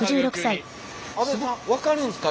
阿部さん分かるんですか？